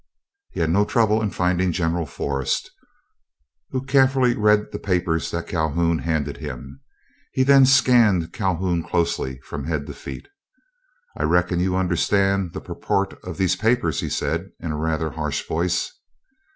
He had no trouble in finding General Forrest, who carefully read the papers that Calhoun handed him. He then scanned Calhoun closely from head to feet. "I reckon you understand the purport of these papers," he said, in rather a harsh voice.